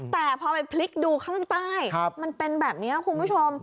แต่พอไปพลิกดูข้างใต้มันเป็นแบบนี้คุณผู้ชม